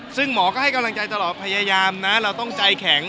ซึ่งหมอก็ให้กำลังใจตลอดพยายามนะเราต้องใจแข็ง